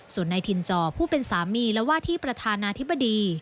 ส่วนนายถิ่นจอผู้เป็นสามีและว่าที่ประธานาธิบดี